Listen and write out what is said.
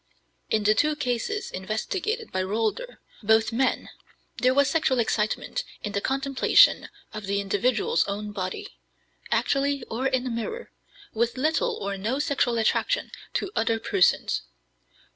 In the two cases investigated by Rohleder, both men, there was sexual excitement in the contemplation of the individual's own body, actually or in a mirror, with little or no sexual attraction to other persons.